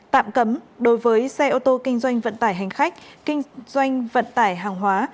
tạm cấm đối với xe ô tô kinh doanh vận tải hành khách kinh doanh vận tải hàng hóa